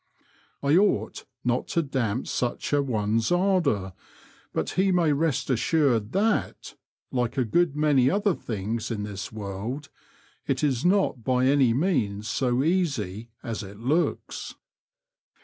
I ought not to damp such an one's ardour, but he may rest assured that, like a good many other things in this world, it is not by any means so easy as it looks.